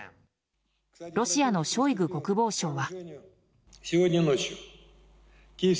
ロシアのショイグ国防相は。